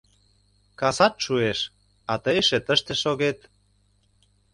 Касат шуэш, а тый эше тыште шогет...